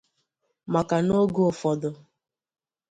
maka na oge ụfọdụ